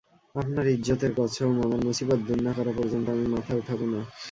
আপনার ইযযতের কসম, আমার মুসীবত দূর না করা পর্যন্ত আমি মাথা উঠাব না।